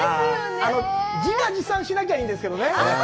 自画自賛しなきゃいいんですけどね。